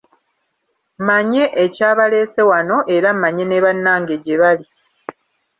Mmanye ekyabaleese wano era mmanye ne bannange gye bali.